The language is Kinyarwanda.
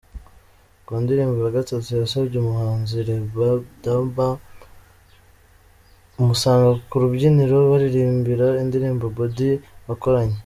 Ku ndirimbo ya Gatatu yasabye umuhanzi Rabadaba kumusanga ku rubyiniro baririmba indirimbo 'Body' bakoranye.